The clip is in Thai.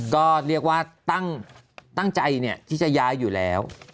ก็เรียกว่าตั้งใจที่จะย้ายอยู่แล้ว